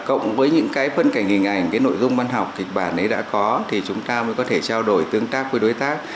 cộng với những cái phân cảnh hình ảnh cái nội dung văn học kịch bản ấy đã có thì chúng ta mới có thể trao đổi tương tác với đối tác